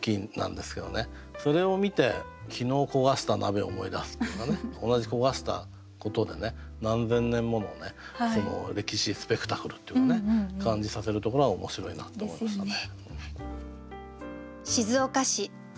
それを見て昨日焦がした鍋を思い出すっていうのがね同じ焦がしたことで何千年もの歴史スペクタクルっていうかね感じさせるところが面白いなと思いましたね。